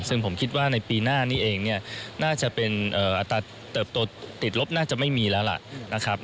ซึ่งผมคิดว่าในปีหน้านี้เองเนี่ยน่าจะเป็นอัตราเติบโตติดลบน่าจะไม่มีแล้วล่ะนะครับ